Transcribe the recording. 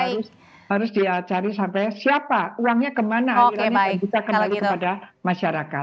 itu harus dia cari sampai siapa uangnya kemana aliran ini bisa kembali kepada masyarakat